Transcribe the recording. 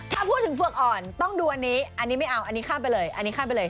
ถ้าพูดถึงเผือกอ่อนต้องดูอันนี้อันนี้ไม่เอาอันนี้ข้ามไปเลยอันนี้ข้ามไปเลย